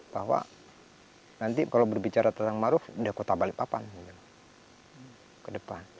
bahwa nanti kalau berbicara tentang maruf sudah kota balikpapan ke depan